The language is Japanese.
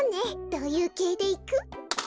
どういうけいでいく？